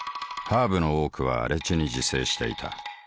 ハーブの多くは荒地に自生していた。